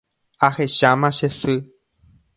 Ahecháma che sy